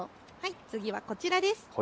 次はこちらです。